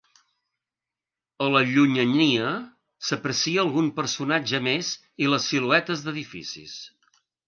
A la llunyania, s'aprecia algun personatge més i les siluetes d'edificis.